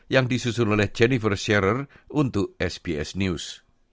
yang disusun oleh jennifer sherr untuk sbs news